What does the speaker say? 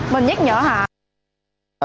mình nhắc nhở hả